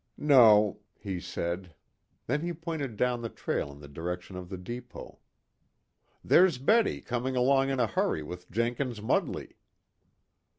"No," he said. Then he pointed down the trail in the direction of the depot. "There's Betty coming along in a hurry with Jenkins Mudley."